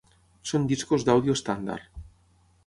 Són discos d'àudio estàndard.